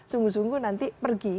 sungguh sungguh nanti pergi